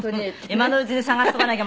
今のうちに捜しとかなきゃ。